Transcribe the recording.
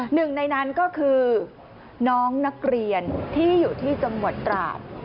หนึ่งในนั้นก็คือน้องนักเรียนที่อยู่ที่จังหวัดตราด